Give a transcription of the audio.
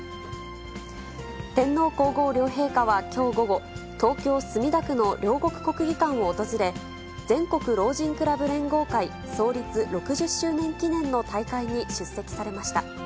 天皇皇后両陛下はきょう午後、東京・墨田区の両国国技館を訪れ、全国老人クラブ連合会創立６０周年記念の大会に出席されました。